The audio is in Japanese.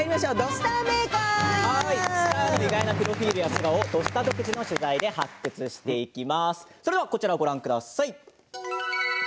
スターの意外なプロフィールや素顔を「土スタ」独自の取材で発掘します。